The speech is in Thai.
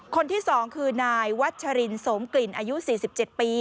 คนที่๒คือนายวัชรินสมกลิ่นอายุ๔๗ปี